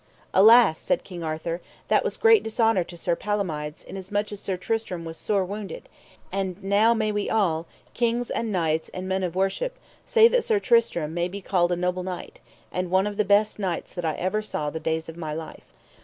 Alas, said King Arthur, that was great dishonour to Sir Palomides, inasmuch as Sir Tristram was sore wounded, and now may we all, kings, and knights, and men of worship, say that Sir Tristram may be called a noble knight, and one of the best knights that ever I saw the days of my life.